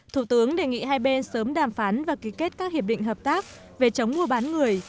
thủ tướng đề nghị hai bên sớm đàm phán và ký kết các hiệp định hợp tác về chống mua bán người